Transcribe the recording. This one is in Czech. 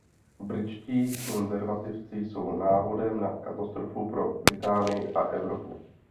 Britští konzervativci jsou návodem na katastrofu pro Británii a Evropu.